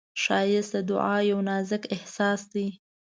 ښایست د دعا یو نازک احساس دی